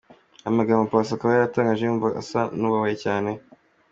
Aya magambo Paccy akaba yayatangaje wumva asa n’ubabaye cyane.